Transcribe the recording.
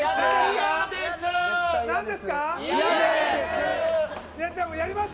嫌です！